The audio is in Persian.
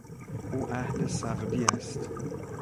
او اهل سغدی است.